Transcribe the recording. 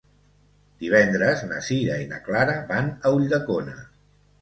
Divendres na Sira i na Clara van a Ulldecona.